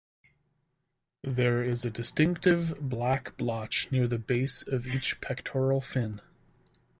There is a distinctive black blotch near the base of each pectoral fin.